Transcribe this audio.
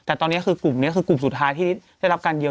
แต่ตอนนี้คือกลุ่มนี้คือกลุ่มสุดท้ายที่ได้รับการเยอะ